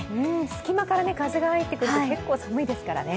隙間から風が入ってくると結構寒いですからね。